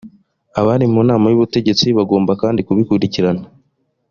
abari mu nama y’ubutegetsi bagomba kandi kubikurikirana